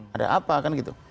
ada apa kan gitu